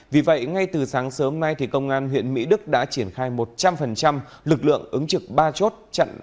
vì vậy ngay từ sáng sớm nay công an huyện mỹ đức đã triển khai một trăm linh lực lượng ứng trực ba chốt chặn